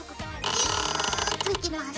ギューッといきます。